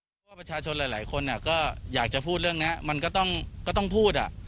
เพราะว่าประชาชนหลายคนก็อยากจะพูดเรื่องนี้มันก็ต้องพูด